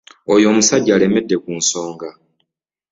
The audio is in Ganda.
Oyo omusajja alemedde ku nsonga.